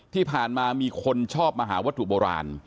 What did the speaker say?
ที่ผ่านมามีคนชอบมาหาวัตถุโบราณ